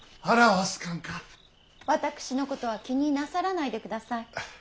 私のことは気になさらないでください。